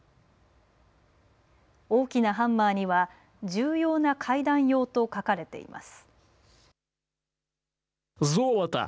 大きなハンマーには重要な会談用と書かれています。